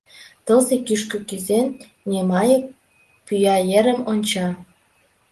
Тылзе кӱшкӧ кӱзен, Немайык пӱя-ерым онча.